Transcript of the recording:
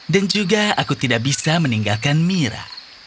dan juga aku tidak bisa meninggalkan mira